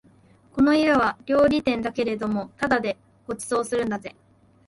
この家は料理店だけれどもただでご馳走するんだぜ